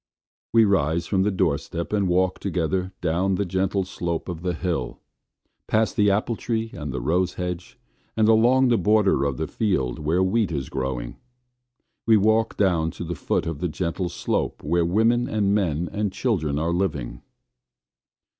We rise from the door step and walk together down the gentle slope of the hill; past the apple tree, and the rose hedge; and along the border of the field where wheat is growing. We walk down to the foot of the gentle slope where women and men and children are living.